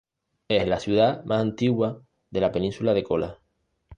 Es la ciudad más antigua de la península de Kola.